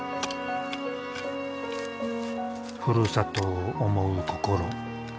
ふるさとを思う心。